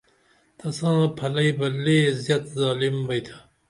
تساں پھلئی بہ لے زیت ظالم بئیتھا